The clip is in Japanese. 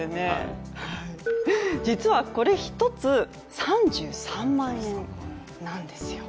実はこれ１つ、３３万円なんですよ。